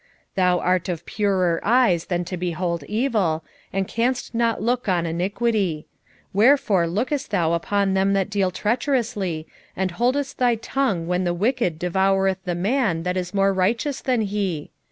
1:13 Thou art of purer eyes than to behold evil, and canst not look on iniquity: wherefore lookest thou upon them that deal treacherously, and holdest thy tongue when the wicked devoureth the man that is more righteous than he?